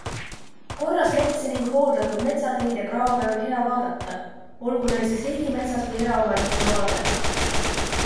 Korras metsi ning hooldatud metsateid ja kraave on hea vaadata, olgu need siis riigimetsas või eraomaniku maadel.